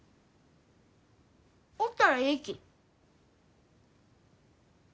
おったらえいき。